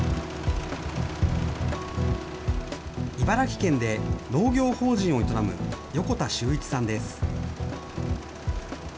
茨城県で農業法人を営む横田修一さんです。